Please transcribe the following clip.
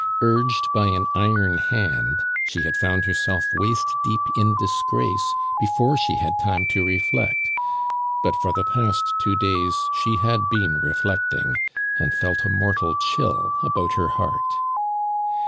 Urged by an iron hand, she had found herself waist deep in disgrace before she had time to reflect; but for the past two days she had been reflecting, and felt a mortal chill about her heart.